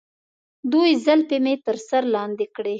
دوی زلفې مې تر سر لاندې کړي.